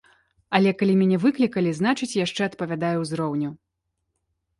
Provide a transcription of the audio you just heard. Але калі мяне выклікалі, значыць, яшчэ адпавядаю ўзроўню.